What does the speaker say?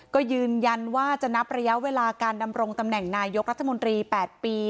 ก็ยืนยันว่าจะนับระยะเวลาการดำรงตำแหน่งนายกรัฐมนตรี๘ปี